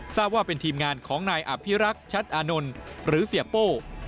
ทราบว่าเป็นทีมงานของนายอภิรักษ์ชัดอานนท์หรือเสียโป้